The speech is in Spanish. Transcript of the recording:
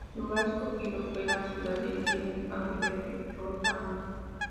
El lugar escogido fue la ciudad de Vienne, a orillas del Ródano.